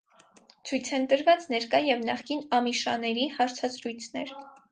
Ցույց են տրված ներկա և նախկին ամիշաների հարցազրույցներ։